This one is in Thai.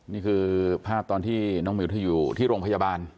นี่คือภาพตอนที่น้องหมิวเธออยู่ที่โรงพยาบาล